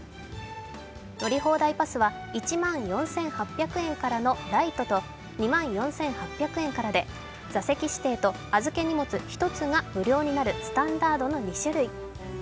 乗り放題パスは１万４８００円からのライトと、２万４８００円からで座席指定と預け荷物一つが無料になるスタンダードの２種類。